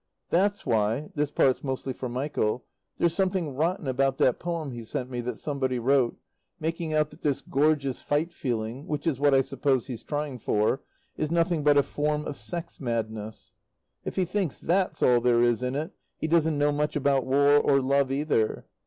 That's why this part's mostly for Michael there's something rotten about that poem he sent me that somebody wrote, making out that this gorgeous fight feeling (which is what I suppose he's trying for) is nothing but a form of sex madness. If he thinks that's all there is in it, he doesn't know much about war, or love either.